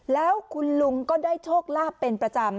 แล้วคุณลุงก็ได้โชคลาภเป็นประจำ